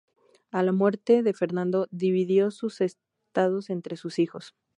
A la muerte de Fernando, dividió sus estados entre sus hijos.